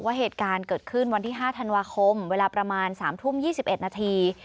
เหตุการณ์เกิดขึ้นวันที่๕ธันวาคมเวลาประมาณ๓ทุ่ม๒๑นาที